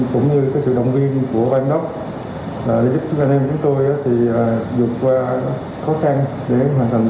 cũng như sự động viên của ban đốc để giúp cho anh em chúng tôi vượt qua khó khăn để hoàn thành